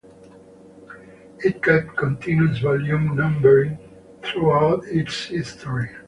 It kept continuous volume numbering throughout its history.